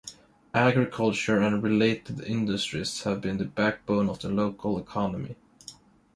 Agriculture and related industries have been the backbone of the local economy.